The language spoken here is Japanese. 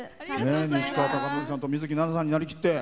西川貴教さんと水樹奈々さんになりきって。